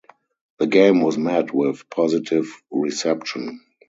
The game was met with positive reception.